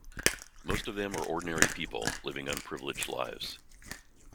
Most of them are ordinary people living unprivileged lives.